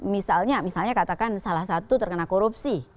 misalnya misalnya katakan salah satu terkena korupsi